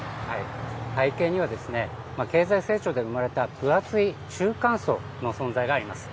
背景には、経済成長で生まれた分厚い中間層の存在があります。